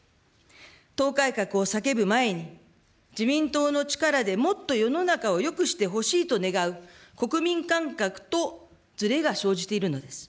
党改革を叫ぶ前に、自民党の力でもっと世の中をよくしてほしいと願う国民感覚とずれが生じているのです。